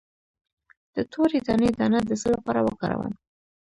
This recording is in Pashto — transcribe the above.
د تورې دانې دانه د څه لپاره وکاروم؟